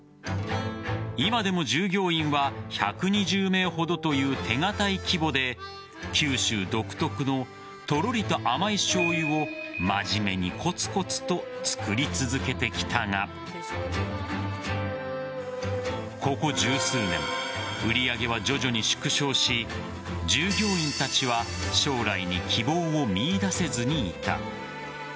今でも従業員は１２０名ほどという手堅い規模で九州独特のとろりと甘いしょうゆを真面目にコツコツと造り続けてきたがここ十数年、売上は徐々に縮小し従業員たちは将来に希望を見いだせずにいた。